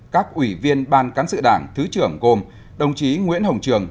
các ủy viên ban cán sự đảng thứ trưởng gồm đồng chí nguyễn hồng trường